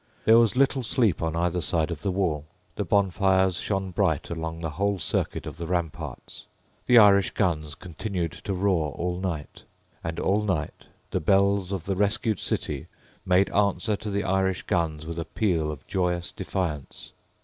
There was little sleep on either side of the wall. The bonfires shone bright along the whole circuit of the ramparts. The Irish guns continued to roar all night; and all night the bells of the rescued city made answer to the Irish guns with a peal of joyous defiance.